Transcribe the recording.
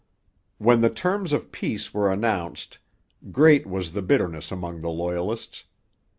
When the terms of peace were announced, great was the bitterness among the Loyalists.